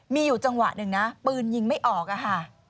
มีอยู่จังหวะหนึ่งนะปืนยิงไม่ออกอะค่ะ